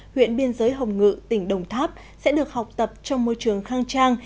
huyện biên giới hồng ngự tỉnh đồng tháp sẽ được học tập trong môi trường khang trang